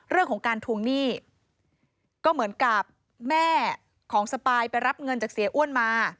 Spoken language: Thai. เรื่องของการทวงหนี้ก็เหมือนกับแม่ของสปายไปรับเงินจากเสียอ้วนมา